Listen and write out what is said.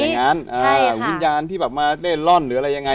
อย่างนั้นวิญญาณที่แบบมาเล่นร่อนหรืออะไรยังไง